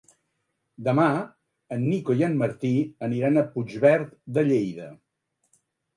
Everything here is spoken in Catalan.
Demà en Nico i en Martí aniran a Puigverd de Lleida.